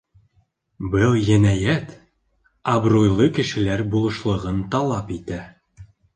Был енәйәт абруйлы кешеләр булышлығын талап итә.